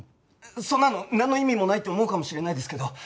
そんなのなんの意味もないって思うかもしれないですけど